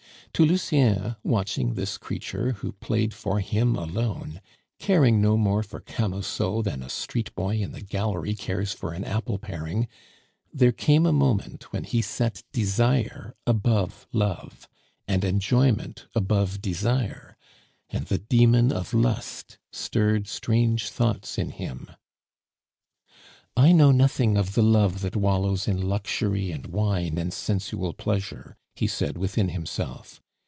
To Lucien, watching this creature, who played for him alone, caring no more for Camusot than a street boy in the gallery cares for an apple paring, there came a moment when he set desire above love, and enjoyment above desire, and the demon of Lust stirred strange thoughts in him. "I know nothing of the love that wallows in luxury and wine and sensual pleasure," he said within himself.